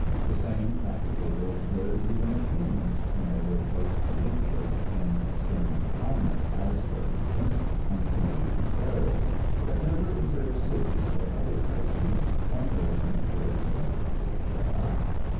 The same practically holds good even of humans, when they live close to Nature in a stern climate, as, for instance, on the Canadian prairie; but never in great cities, or other places from which Nature is largely shut out.